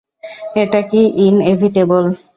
এটা কি ইনএভিটেবেল?